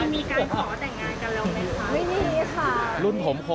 มีการขอแต่งงานกับเราไหมคะ